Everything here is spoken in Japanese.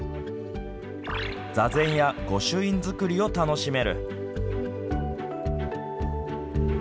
座禅や御朱印作りを楽しめる。